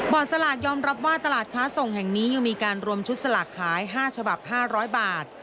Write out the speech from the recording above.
สลากยอมรับว่าตลาดค้าส่งแห่งนี้ยังมีการรวมชุดสลากขาย๕ฉบับ๕๐๐บาท